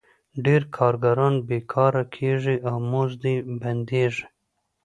ډېر کارګران بېکاره کېږي او مزد یې بندېږي